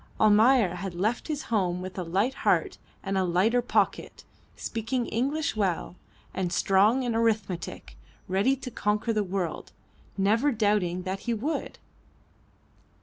Almayer had left his home with a light heart and a lighter pocket, speaking English well, and strong in arithmetic; ready to conquer the world, never doubting that he would.